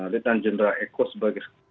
tetnan jenderal eko sebagai